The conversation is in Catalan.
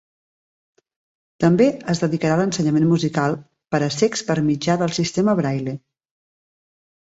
També es dedicà a l'ensenyament musical per a cecs per mitjà del sistema Braille.